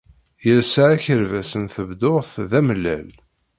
Yelsa akerbas n tebduɣt d amellal.